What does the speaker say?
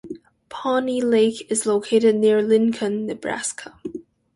Pawnee Lake is located near Lincoln, Nebraska.